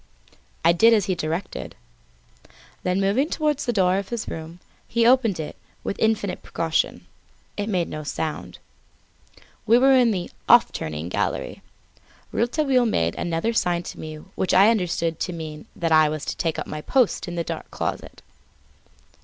I did as he directed. Then moving towards the door of his room, he opened it with infinite precaution; it made no sound. We were in the "off turning" gallery. Rouletabille made another sign to me which I understood to mean that I was to take up my post in the dark closet.